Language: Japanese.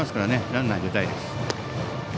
ランナー、出たいです。